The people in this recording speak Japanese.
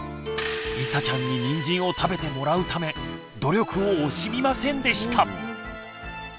りさちゃんににんじんを食べてもらうため努力を惜しみませんでした。